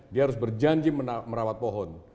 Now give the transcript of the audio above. dia harus berjanji merawat pohon